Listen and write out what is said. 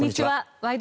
「ワイド！